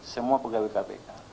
semua pegawai kpk